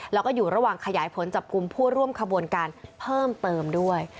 แล้วก็อยู่ระหว่างขยายผลจับกลุ่มผู้ร่วมขบวนการเพิ่มเติมด้วย